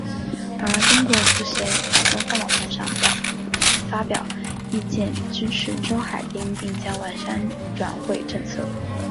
而中国足协也在官方网站上发表意见支持周海滨并将完善转会政策。